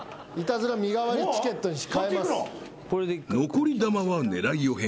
［残り弾は狙いを変更］